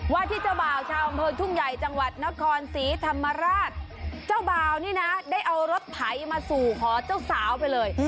ว่าที่เจ้าบ่าวชาวอำเภอทุ่งใหญ่จังหวัดนครศรีธรรมราชเจ้าบ่าวนี่นะได้เอารถไถมาสู่ขอเจ้าสาวไปเลย